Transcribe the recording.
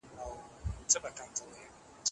چي په تېغ کوي څوک لوبي همېشه به زخمي وینه